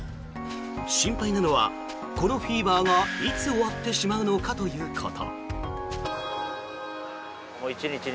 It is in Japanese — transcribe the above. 心配なのは、このフィーバーがいつ終わってしまうのかということ。